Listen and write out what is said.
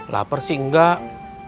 laper sih nggak